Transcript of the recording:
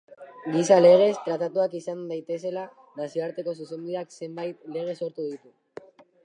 Giza-legez tratatuak izan daitezela nazioarteko zuzenbideak zenbait lege sortu ditu.